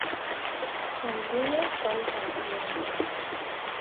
Անգույն է կամ տարբեր երանգներով։